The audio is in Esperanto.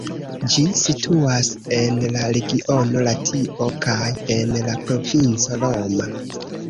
Ĝi situas en la regiono Latio kaj en la provinco Roma.